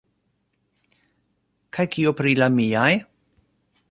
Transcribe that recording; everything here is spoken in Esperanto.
Kaj kio pri la miaj?